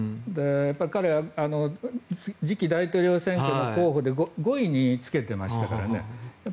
彼は次期大統領選挙の候補で５位につけてましたからね。